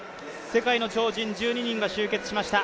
世界の超人１２人が集結しました。